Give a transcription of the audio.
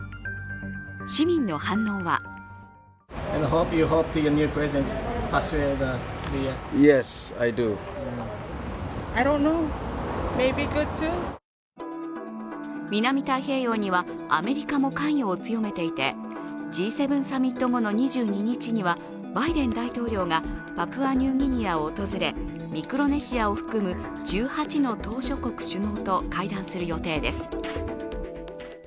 市民の反応は南太平洋にはアメリカも関与を強めていてＧ７サミット後の２２日にはバイデン大統領がパプアニューギニアを訪れミクロネシアを含む１８の島しょ国首脳と会談する予定です。